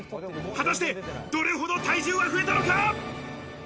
果たして、どれほど体重は増えたのか？